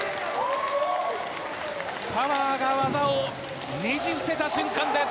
パワーが技をねじ伏せた瞬間です。